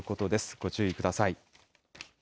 ご注意ください。